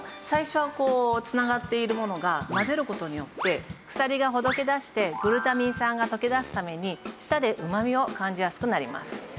最初はこう繋がっているものが混ぜる事によって鎖がほどけだしてグルタミン酸が溶け出すために舌で旨味を感じやすくなります。